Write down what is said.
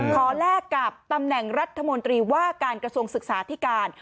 แลกกับตำแหน่งรัฐมนตรีว่าการกระทรวงศึกษาที่การ